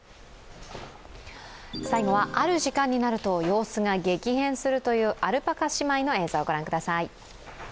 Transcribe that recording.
最後は、ある時間になると様子が激変するというアルパカ姉妹の映像をご覧ください。